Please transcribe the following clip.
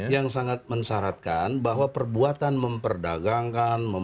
yang sangat mensyaratkan bahwa perbuatan memperdagangkan